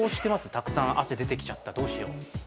たくさん汗出てきちゃったどうしよう？